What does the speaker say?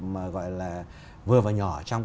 mà gọi là vừa và nhỏ trong